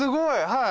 はい。